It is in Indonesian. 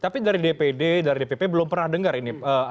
tapi dari dpd dari dpp belum pernah dengar ini